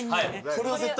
これは絶対。